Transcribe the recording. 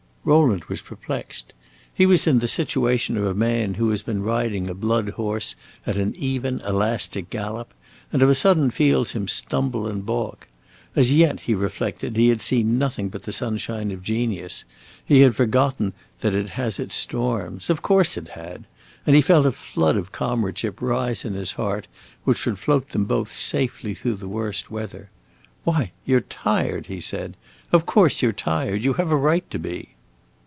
Rowland was perplexed. He was in the situation of a man who has been riding a blood horse at an even, elastic gallop, and of a sudden feels him stumble and balk. As yet, he reflected, he had seen nothing but the sunshine of genius; he had forgotten that it has its storms. Of course it had! And he felt a flood of comradeship rise in his heart which would float them both safely through the worst weather. "Why, you 're tired!" he said. "Of course you 're tired. You have a right to be!"